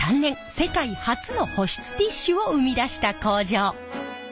世界初の保湿ティッシュを生み出した工場！